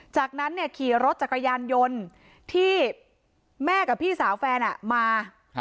จากนั้นขี่รถจักรยานยนต์ที่แม่กับพี่สาวแฟนมา